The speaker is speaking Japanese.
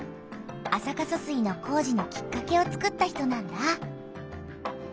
安積疏水の工事のきっかけをつくった人なんだ。